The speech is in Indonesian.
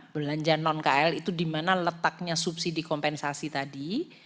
belanja non kl itu dimana letaknya subsidi kompensasi tadi